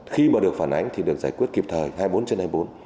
khi mà được phản ánh thì được giải quyết kịp thời hai mươi bốn trên hai mươi bốn